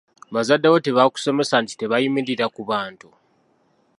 “Bazadde bo tebaakusomesa nti tebayimirira ku bantu?